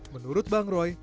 menurut bang roy